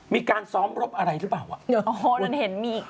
มีการซ้อมรบอะไรหรือเปล่าอ่ะ